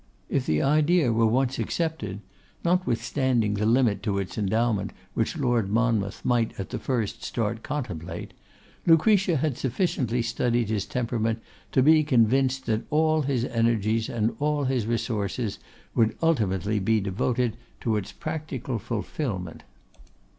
If the idea were once accepted, notwithstanding the limit to its endowment which Lord Monmouth might at the first start contemplate, Lucretia had sufficiently studied his temperament to be convinced that all his energies and all his resources would ultimately be devoted to its practical fulfilment.